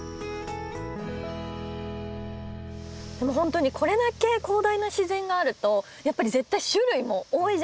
本当にこれだけ広大な自然があるとやっぱり絶対種類も多いじゃないですか。